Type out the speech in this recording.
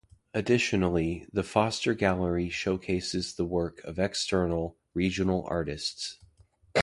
Additionally, the Foster Gallery showcases the work of external, regional artists.